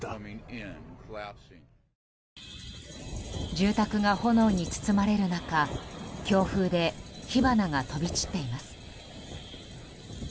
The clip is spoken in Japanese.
住宅が炎に包まれる中強風で火花が飛び散っています。